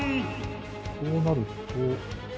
こうなると。